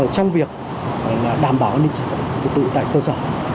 trong việc đảm bảo an ninh trật tự tại cơ sở